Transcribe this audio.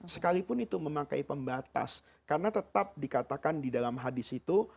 sekalipun itu memakai pembatas karena tetap dikatakan di dalam hadis itu